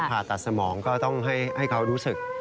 ผ่าตัดสมองก็ต้องให้เขารู้สึก